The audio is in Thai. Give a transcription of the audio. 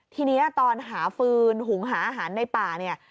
ทีนี้ตอนหาฟืนหุงหาอาหารในป่าเนี่ย